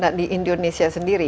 dan di indonesia sendiri